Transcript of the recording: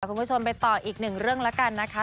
คุณผู้ชมไปต่ออีกหนึ่งเรื่องแล้วกันนะคะ